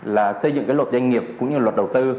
là xây dựng cái luật doanh nghiệp cũng như luật đầu tư